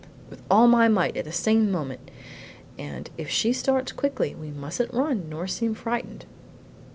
with all my might at the same moment. And if she starts quickly we mustn't run nor seem frightened!"